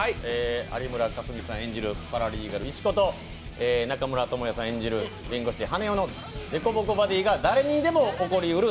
有村架純さん演じるパラリーガルの石子と中村倫也さんが演じる弁護士・羽男の誰にでも起こりうる